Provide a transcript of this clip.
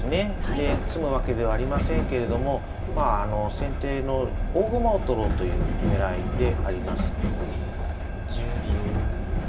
で詰むわけではありませんけれどもまああの先手の大駒を取ろうという狙いであります。１０秒。